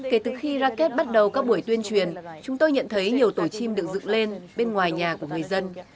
kể từ khi racket bắt đầu các buổi tuyên truyền chúng tôi nhận thấy nhiều tổ chim được dựng lên bên ngoài nhà của người dân